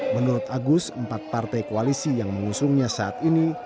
menurut agus empat partai koalisi yang mengusungnya saat ini